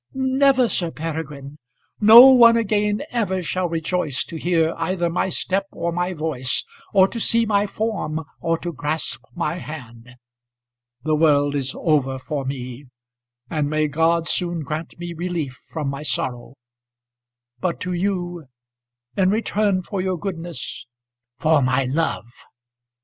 "Never, Sir Peregrine. No one again ever shall rejoice to hear either my step or my voice, or to see my form, or to grasp my hand. The world is over for me, and may God soon grant me relief from my sorrow. But to you in return for your goodness " "For my love."